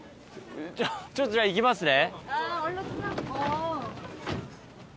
ちょっとじゃあ行きますね。